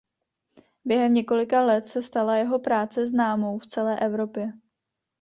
Během několika let se stala jeho práce známou v celé Evropě.